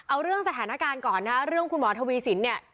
เอาเรื่องสถานการณ์ก่อนนะฮะเรื่องคุณหมอทวีสินเนี่ย